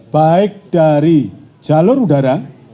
baik dari jalur udara